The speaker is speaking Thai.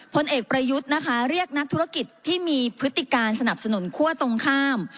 พลเอกประยุทธ์นะคะเรียกนักธุรกิจที่มีพฤติการสนับสนุนคั่วตรงข้าม